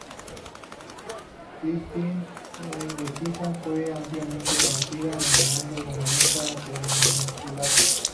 Christine de Pisan fue ampliamente conocida en el mundo humanista peninsular.